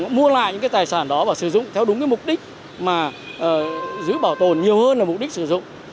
họ mua lại những cái tài sản đó và sử dụng theo đúng cái mục đích mà giữ bảo tồn nhiều hơn là mục đích sử dụng